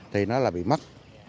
thì nó là bị mất